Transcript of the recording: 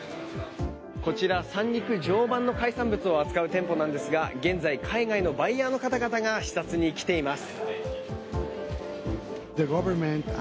こちら、三陸・常磐の海産物を扱う店舗なんですが現在、海外のバイヤーの方々が視察に来ています。